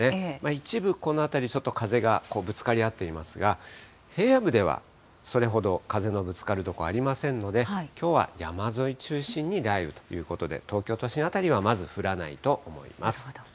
一部、この辺り、ちょっと風がぶつかり合っていますが、平野部ではそれほど風のぶつかる所ありませんので、きょうは山沿い中心に雷雨ということで、東京都心辺りはまず降らないと思います。